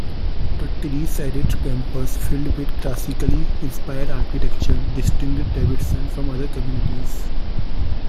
The tree-shaded campus filled with classically inspired architecture distinguished Davidson from other communities.